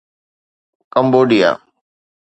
Cambodia